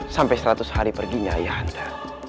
sampai seratus hari perginya ayahanda